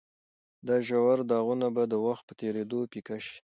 دا ژور داغونه به د وخت په تېرېدو پیکه شي.